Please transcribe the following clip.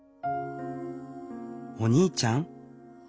「お兄ちゃん？」